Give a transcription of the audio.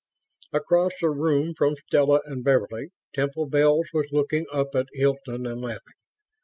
Across the room from Stella and Beverly, Temple Bells was looking up at Hilton and laughing.